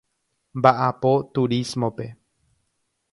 Mba'apo turismope.